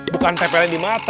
bukan pepele di mata